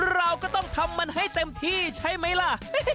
เราก็ต้องทำมันให้เต็มที่ใช่ไหมล่ะ